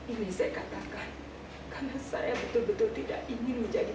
ini saya katakan karena saya betul betul tidak ingin menjadi